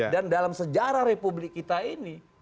dan dalam sejarah republik kita ini